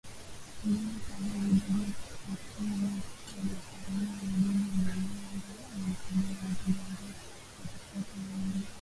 vyama kadhaa vidogoChakwera alizaliwa mjini Lilongwe na mkulima mdogo ambaye watoto wake wawili